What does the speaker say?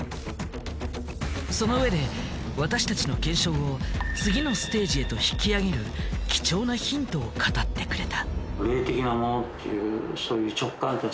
そのうえで私たちの検証を次のステージへと引き上げる貴重なヒントを語ってくれた。